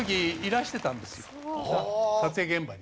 撮影現場に。